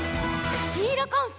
「シーラカンス」